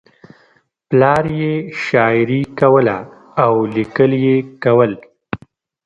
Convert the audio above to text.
پلار یې شاعري کوله او لیکل یې کول